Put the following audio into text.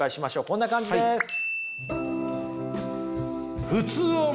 こんな感じです！